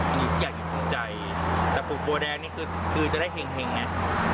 เพราะว่าอยากยิบคงใจแต่ผูกโบสีแดงนี่คือจะได้แห่งไง